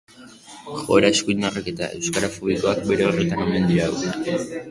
Joera eskuindarrak eta euskarafobikoak bere horretan omen dirau.